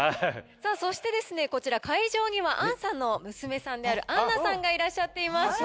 さぁそしてこちら会場にはアンさんの娘さんであるアンナさんがいらっしゃっています。